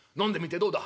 どうだ？」。